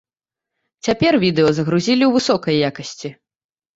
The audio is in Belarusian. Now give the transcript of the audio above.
Цяпер відэа загрузілі ў высокай якасці.